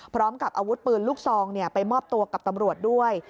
พร้อมกับอาวุธปืนลูกซองไปมอบตัวกับตำรวจด้วย